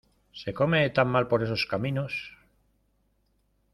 ¡Se come tan mal por esos caminos!